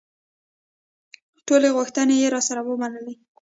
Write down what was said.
ټولې غوښتنې یې راسره ومنلې.